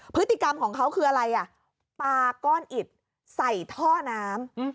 พฤติกรรมของเขาคืออะไรอ่ะปลาก้อนอิดใส่ท่อน้ำ